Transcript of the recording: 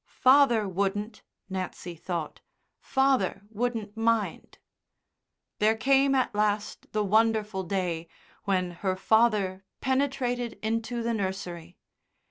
"Father wouldn't," Nancy thought. "Father wouldn't mind." There came at last the wonderful day when her father penetrated into the nursery.